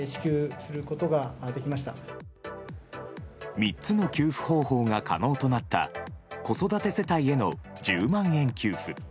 ３つの給付方法が可能となった子育て世帯への１０万円給付。